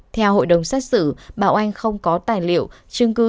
theo hội đồng xét xử bà oanh không có tài liệu chứng cứ